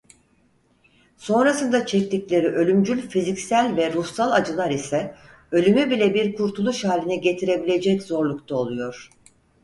Sonrasında çektikleri ölümcül fiziksel ve ruhsal acılar ise ölümü bile bir kurtuluş haline getirebilecek zorlukta oluyor.